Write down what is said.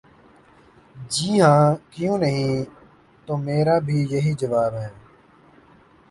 ''جی ہاں، کیوں نہیں‘‘ ''تو میرا بھی یہی جواب ہے۔